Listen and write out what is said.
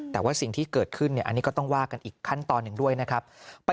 แต่ว่าสิ่งที่เกิดขึ้นอันนี้ก็ต้องว่ากันอีกขั้นตอนหนึ่งด้วยนะครับ